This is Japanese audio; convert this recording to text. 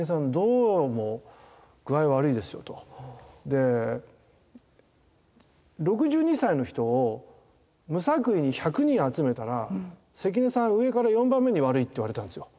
で「６２歳の人を無作為に１００人集めたら関根さん上から４番目に悪い」って言われたんですよ。